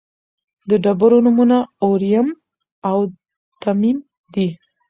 د ډبرو نومونه اوریم او تمیم دي.